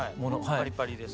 パリパリです。